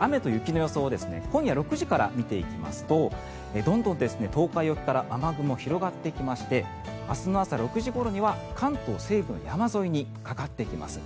雨と雪の予想を今夜６時から見ていきますとどんどん東海沖から雨雲が広がってきまして明日の朝６時ごろには関東西部の山沿いにかかってきます。